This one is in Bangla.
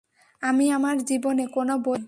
আমি আমার জীবনে কোন বই পড়িনি।